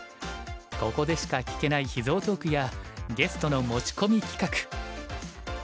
ここでしか聞けない秘蔵トークやゲストの持ち込み企画。